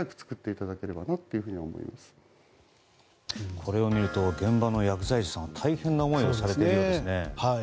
これを見ると現場の薬剤師さんは大変な思いをされているようですね。